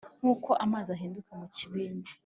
nkuko amazi ahinduka mukibindi.